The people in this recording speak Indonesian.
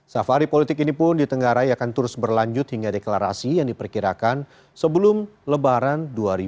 safari politik ini pun ditenggarai akan terus berlanjut hingga deklarasi yang diperkirakan sebelum lebaran dua ribu dua puluh